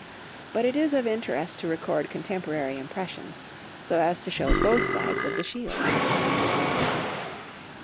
But it is of interest to record contemporary impressions, so as to show both sides of the shield.